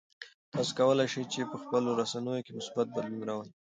تاسو کولای شئ چې په خپلو رسنیو کې مثبت بدلون راولئ.